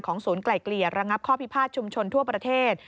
ศูนย์ไกล่เกลี่ยระงับข้อพิพาทชุมชนทั่วประเทศ